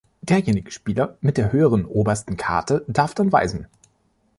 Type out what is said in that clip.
Derjenige Spieler mit der höheren obersten Karte darf dann weisen.